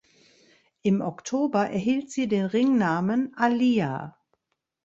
Im Oktober erhielt sie den Ringnamen Aliyah.